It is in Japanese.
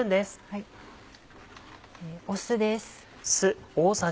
酢です。